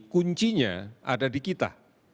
kuncinya ada di kita